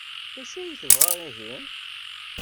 D acu ay tebɣa ihi?